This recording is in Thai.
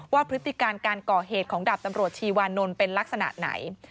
พฤติการการก่อเหตุของดาบตำรวจชีวานนท์เป็นลักษณะไหน